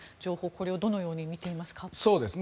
これをどう見ていますか？